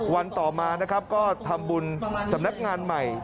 วันต่อมานะครับก็ทำบุญสำนักงานใหม่